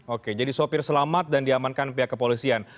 oke jadi sopir selamat dan diamankan pihak kepolisian